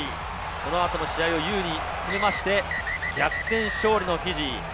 その後も試合を優位に進めて逆転勝利のフィジー。